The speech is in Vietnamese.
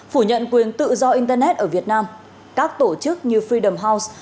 phủ nhận quyền tự do internet ở việt nam các tổ chức như fid house